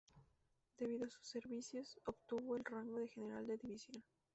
Debido a sus servicios obtuvo el rango de General de División.